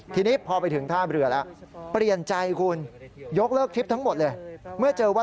ทีนี้พอไปถึงท่าเรือแล้ว